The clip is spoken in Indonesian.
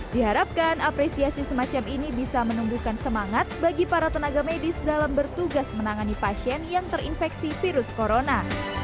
diharapkan apresiasi semacam ini bisa menumbuhkan semangat bagi para tenaga medis dalam bertugas menangani pasien yang terinfeksi virus corona